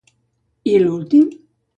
I l'últim?